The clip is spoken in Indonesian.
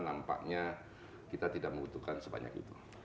nampaknya kita tidak membutuhkan sebanyak itu